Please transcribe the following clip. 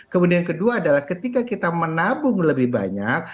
kemudian yang kedua adalah ketika kita menabung lebih banyak